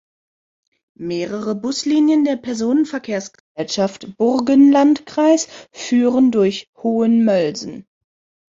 Mehrere Buslinien der Personenverkehrsgesellschaft Burgenlandkreis führen durch Hohenmölsen.